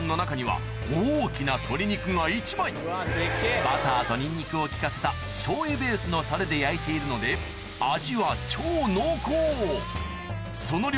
・実はバターとにんにくを利かせたしょうゆベースのタレで焼いているので味は超濃厚その量